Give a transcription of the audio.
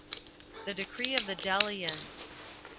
The decree of the Delians.